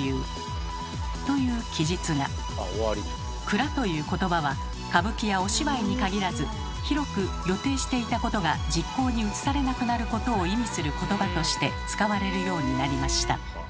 「くら」という言葉は歌舞伎やお芝居に限らず広く予定していたことが実行に移されなくなることを意味する言葉として使われるようになりました。